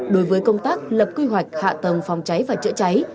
đối với công tác lập quy hoạch hạ tầng phòng cháy và chữa cháy